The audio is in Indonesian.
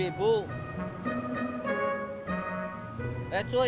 ini apaan sih